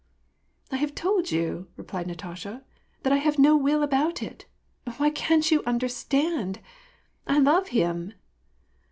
" I have told you," replied Natasha, " that I have no will about it ! Why can't you understand ? I love him